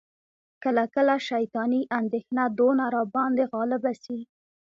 کله کله شیطاني اندیښنه دونه را باندي غالبه سي،